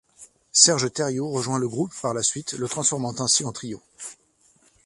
Serge Thériault rejoint le groupe par la suite, le transformant ainsi en trio.